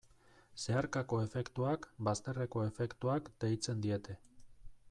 Zeharkako efektuak, bazterreko efektuak, deitzen diete.